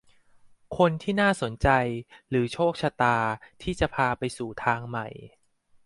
คนที่น่าสนใจหรือโชคชะตาที่จะพาไปสู่ทางใหม่